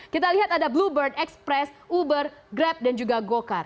kita lihat ada bluebird express uber grab dan juga go kart